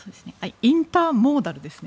インターモーダルですね。